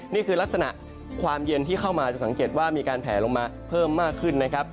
นี่คือลักษณะความเย็นที่เข้ามาจะสังเกตว่ามีการแผลลงมาเพิ่มมากขึ้นนะครับ